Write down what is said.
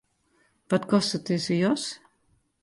Wat kostet dizze jas?